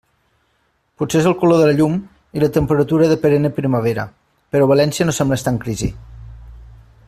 Potser és el color de la llum i la temperatura de perenne primavera, però València no sembla estar en crisi.